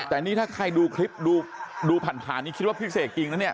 แต่นี่ถ้าใครดูคลิปดูผ่านนี่คิดว่าพิเศษจริงนะเนี่ย